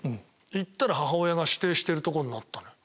行ったら母親が指定してる所になったのよ。